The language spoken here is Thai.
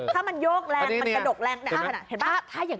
ถ้ามันโยกแรงมันกระดกแรง